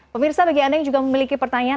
pemirsa bagi anda yang juga memiliki pertanyaan